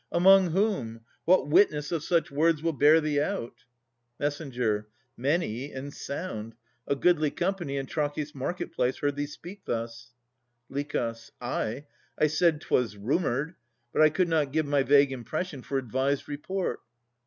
Among whom? What witness of such words will bear thee out? MESS. Many and sound. A goodly company In Trachis' market place heard thee speak this. LICH. Ay. I said 'twas rumoured. But I could not give My vague impression for advised report.